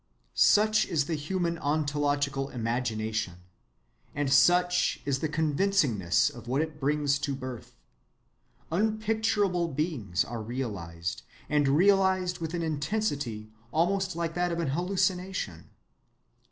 Such is the human ontological imagination, and such is the convincingness of what it brings to birth. Unpicturable beings are realized, and realized with an intensity almost like that of an hallucination.